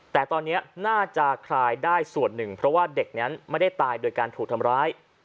แต่ตอนนี้น่าจะคลายได้ส่วนหนึ่งเพราะว่าเด็กนั้นไม่ได้ตายโดยการถูกทำร้าย